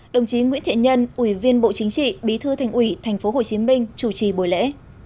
đồng chí nguyễn thiện nhân ủy viên bộ chính trị bí thư thành ủy tp hcm chủ trì buổi lễ